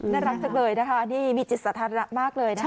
น่ารักจังเลยนะคะนี่มีจิตสาธารณะมากเลยนะคะ